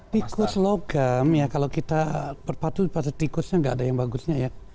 tikus logam ya kalau kita berpatu pada tikusnya nggak ada yang bagusnya ya